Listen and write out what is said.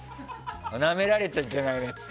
なめられちゃいけないねって。